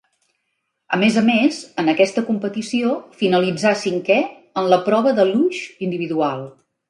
A més a més, en aquesta competició, finalitzà cinquè en la prova de luge individual.